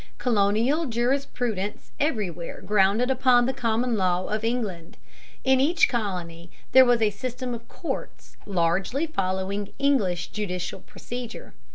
Colonial jurisprudence everywhere grounded upon the common law of England. In each colony there was a system of courts, largely following English judicial procedure.